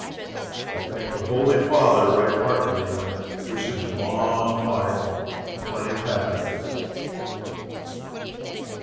I thank the Holy Father right heartily, and I wish him long life and plenty of happiness.